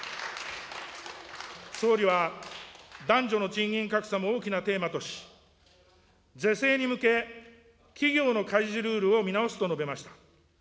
総理は、男女の賃金格差も大きなテーマとし、是正に向け、企業の開示ルールを見直すと述べました。